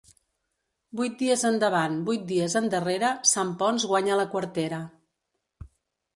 Vuit dies endavant, vuit dies endarrera, Sant Ponç guanya la quartera.